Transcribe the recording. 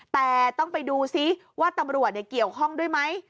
แต่ต้องไปดูซิว่าตำรวจเกี่ยวข้องด้วยไหม